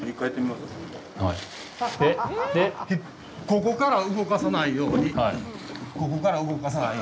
ここから動かさないように。